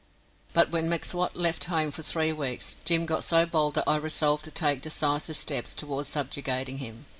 But when M'Swat left home for three weeks Jim got so bold that I resolved to take decisive steps towards subjugating him.